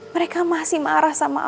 mereka masih marah sama